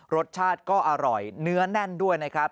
รสชาติก็อร่อยเนื้อแน่นด้วยนะครับ